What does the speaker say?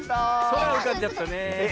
そらうかんじゃったねえ。